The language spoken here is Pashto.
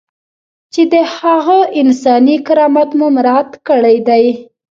چې د هغه انساني کرامت مو مراعات کړی دی.